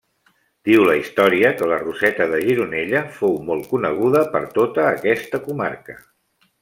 Diu la història que la Roseta de Gironella fou molt coneguda per tota aquesta comarca.